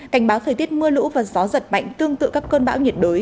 cảnh báo thời tiết mưa lũ và gió giật mạnh tương tự các cơn bão nhiệt đới